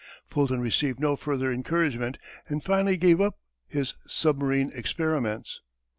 Fulton received no further encouragement and finally gave up his submarine experiments.